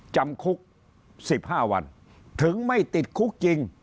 จำคุก๑๕วันถึงไม่ติดคุกจริง